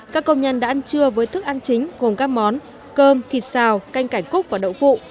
các công nhân đã ăn trưa với thức ăn chính gồm các món cơm thịt xào canh cải cúc và đậu phụ